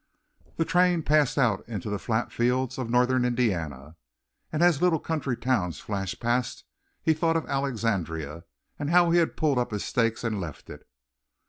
The train passed out into the flat fields of northern Indiana and as little country towns flashed past he thought of Alexandria and how he had pulled up his stakes and left it.